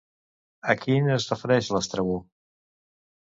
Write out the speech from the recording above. A quins es refereix Estrabó?